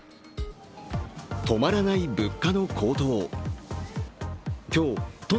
止まらない物価の高騰。